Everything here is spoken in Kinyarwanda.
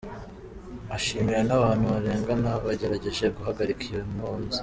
Ashimira n'abantu barengana bagerageje guhagarika iyo nkoziyikibi.